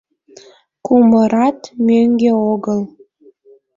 Кумырат мӧҥгӧ огыл.